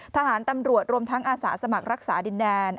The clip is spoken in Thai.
ทหารตำรวจรวมทั้งอาสาสมัครรักษาดินแดน